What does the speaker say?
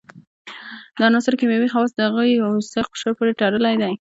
د عناصرو کیمیاوي خواص د هغوي وروستي قشر پورې تړلی دی.